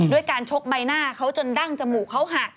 ด้วยการชกใบหน้าเขาจนดั้งจมูกเขาหัก